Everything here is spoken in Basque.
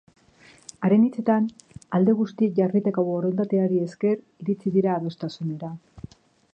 Haren hitzetan, alde guztiek jarritako borondateari esker iritsi dira adostasunera.